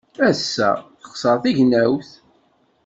Ass-a, texṣer tegnewt.